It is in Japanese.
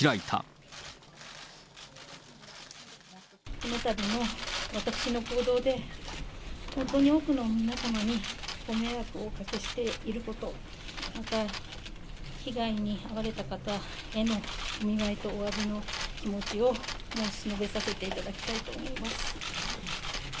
このたびの私の行動で、本当に多くの皆様にご迷惑をおかけしていること、また被害に遭われた方へのお見舞いとおわびの気持ちを申し述べさせていただきたいと思います。